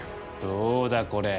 どうだこれ？